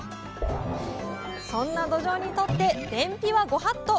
そんなどじょうにとって便秘はご法度！